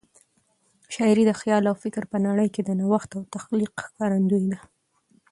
شاعري د خیال او فکر په نړۍ کې د نوښت او تخلیق ښکارندوی ده.